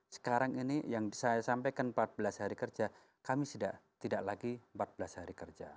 sekarang ini yang saya sampaikan empat belas hari kerja kami sudah tidak lagi empat belas hari kerja